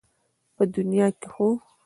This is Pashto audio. په دنيا کې خو